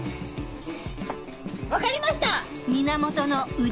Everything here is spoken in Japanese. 分かりました！